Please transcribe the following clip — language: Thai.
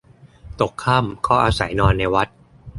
ตกค่ำก็อาศัยนอนในวัด